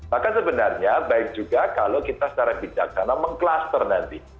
bahkan sebenarnya baik juga kalau kita secara bidang sama meng cluster nanti